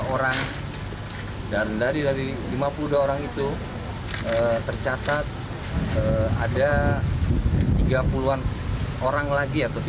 lima puluh dua orang dan dari lima puluh dua orang itu tercatat ada tiga puluh an orang lagi